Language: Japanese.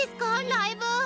ライブ！